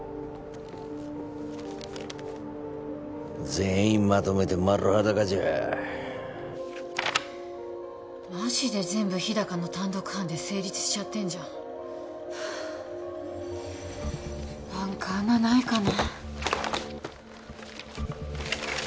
全員まとめて丸裸じゃマジで全部日高の単独犯で成立しちゃってんじゃんはあ何か穴ないかな？